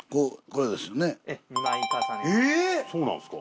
そうなんですか？